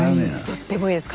とってもいいです。